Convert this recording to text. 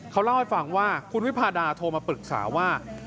เขาเล่าให้ฟังว่าคุณวิพาดาโทรมาปรึกษาว่า